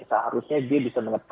seharusnya dia bisa mengetahui